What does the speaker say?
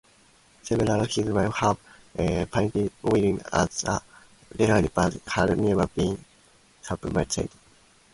Several historians have painted William as mentally deficient, but this has never been substantiated.